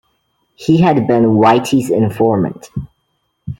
He had been Whitey's informant.